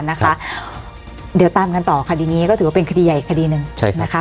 ในกลางรายการนะคะเดี๋ยวตามกันต่อคดีนี้ก็ถือว่าเป็นคดีใหญ่คดีหนึ่งนะคะ